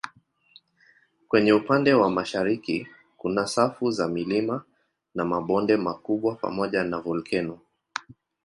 Kwenye upande wa mashariki kuna safu za milima na mabonde makubwa pamoja na volkeno.